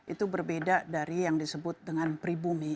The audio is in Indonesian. itu berbeda dari yang disebut dengan pribumi